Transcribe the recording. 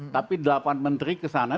tapi delapan menteri ke sana